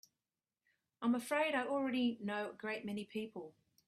I'm afraid I already know a great many people.